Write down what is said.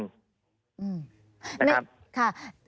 นี่ค่ะ